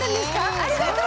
⁉ありがとう！